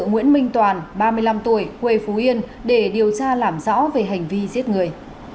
nguyễn minh toàn ba mươi năm tuổi quê phú yên để điều tra làm rõ về hành vi giết người